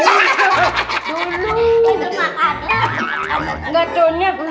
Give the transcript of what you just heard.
gak taunya bu